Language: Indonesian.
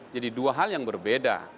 jadi dua hal yang berbeda